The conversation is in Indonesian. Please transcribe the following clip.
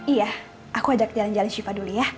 iya aku ajak jalan jalan syifa dulu ya